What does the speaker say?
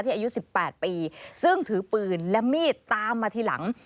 อายุ๑๘ปีซึ่งถือปืนและมีดตามมาทีหลัง